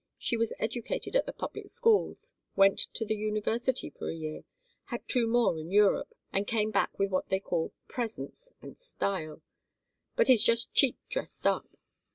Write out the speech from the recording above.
She was educated at the public schools, went to the University for a year, had two more in Europe, and came back with what they call presence and style, but is just cheek dressed up.